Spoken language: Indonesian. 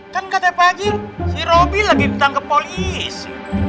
kan kata pagi si robi lagi ditangkep polisi